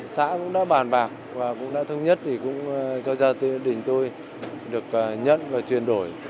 xã cũng đã bàn bạc và cũng đã thống nhất thì cũng cho gia đình tôi được nhận và chuyển đổi